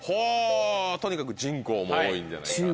とにかく人口も多いんじゃないか。